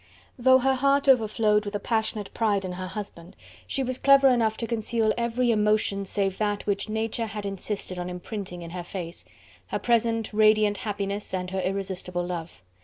Though her heart overflowed with a passionate pride in her husband, she was clever enough to conceal every emotion save that which Nature had insisted on imprinting in her face, her present radiant happiness and her irresistible love.